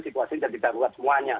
situasi jadi darurat semuanya